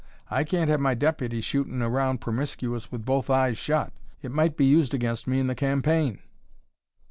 I can't have my deputy shootin' around promiscuous with both eyes shut. It might be used against me in the campaign."